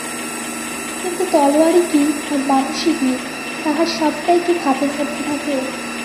কিন্তু তলোয়ারই কী, আর মানুষই কী, তাহার সবটাই কি খাপের মধ্যে থাকে?